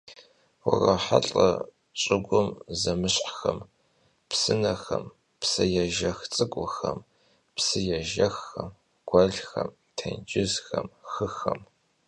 Vurohelh'e ş'ıgups zemışhxem: psınexem, psıêjjex ts'ık'uxem, psıêjjexxem, guelxem, têncızxem, xıxem.